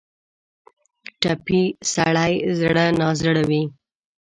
ټپي سړی زړه نا زړه وي.